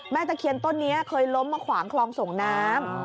ตะเคียนต้นนี้เคยล้มมาขวางคลองส่งน้ำ